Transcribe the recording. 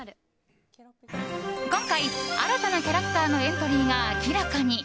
今回、新たなキャラクターのエントリーが明らかに。